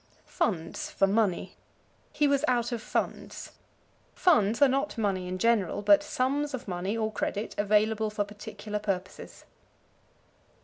Funds for Money. "He was out of funds." Funds are not money in general, but sums of money or credit available for particular purposes.